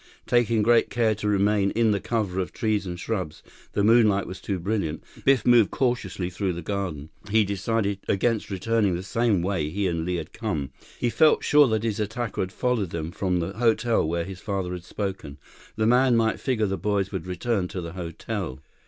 Taking great care to remain in the cover of trees and shrubs—the moonlight was brilliant—Biff moved cautiously through the garden. He decided against returning the same way he and Li had come. He felt sure that his attacker had followed them from the hotel where his father had spoken. The man might figure the boys would return to the hotel.